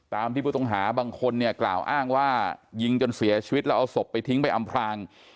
ตามที่ผู้ต้องหาบางคนเนี่ยกล่าวอ้างว่ายิงจนเสียชีวิตแล้วเอาศพไปทิ้งไปอำพลาง